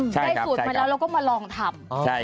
ได้สูตรมาแล้วเราก็มาลองทำ